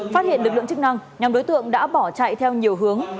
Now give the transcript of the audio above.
phát hiện lực lượng chức năng nhóm đối tượng đã bỏ chạy theo nhiều hướng